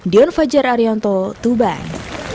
dion fajar ariyanto tuban